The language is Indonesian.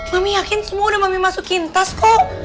mami yakin semua udah mami masukin tas kok